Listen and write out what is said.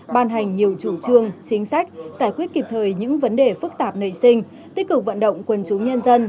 ban hành nhiều chủ trương chính sách giải quyết kịp thời những vấn đề phức tạp nảy sinh tích cực vận động quân chúng nhân dân